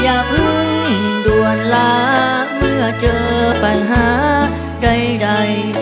อย่าเพิ่งด่วนล้างเมื่อเจอปัญหาใด